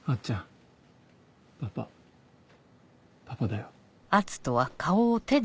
パパだよ。